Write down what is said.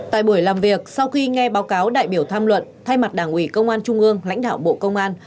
tại buổi làm việc sau khi nghe báo cáo đại biểu tham luận thay mặt đảng ủy công an trung ương lãnh đạo bộ công an